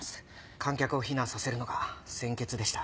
観客を避難させるのが先決でした。